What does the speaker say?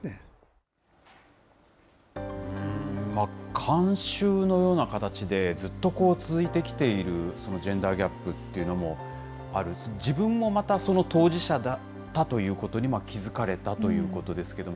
慣習のような形でずっと続いてきているジェンダーギャップというのもある、自分もまたその当事者だったということに気付かれたということですけれども。